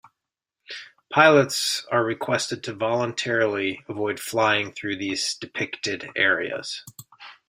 Pilots are requested to voluntarily avoid flying through these depicted areas.